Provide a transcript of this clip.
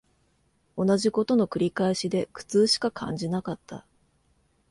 同じ事の繰り返しで苦痛しか感じなかった